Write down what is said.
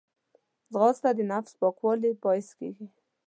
ځغاسته د نفس پاکوالي باعث کېږي